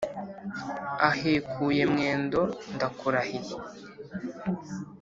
ahekuye mwendo ndakurahiye